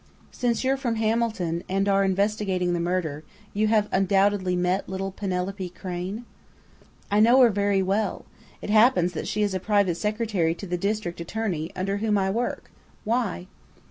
"Since you're from Hamilton, and are investigating the murder, you have undoubtedly met little Penelope Crain?" "I know her very well. It happens that she is private secretary to the district attorney, under whom I work.... Why?"